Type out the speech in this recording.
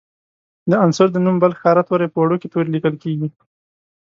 د عنصر د نوم بل ښکاره توری په وړوکي توري لیکل کیږي.